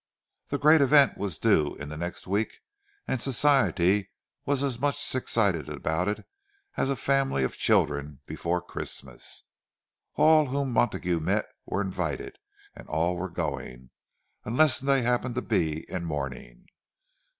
The great event was due in the next week and Society was as much excited about it as a family of children before Christmas. All whom Montague met were invited and all were going unless they happened to be in mourning.